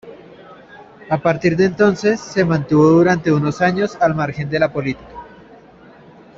A partir de entonces, se mantuvo durante unos años al margen de la política.